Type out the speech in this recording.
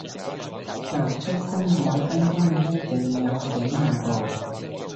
游出公海返工一定有幾萬步